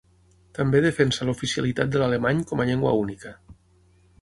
També defensa l'oficialitat de l'alemany com a llengua única.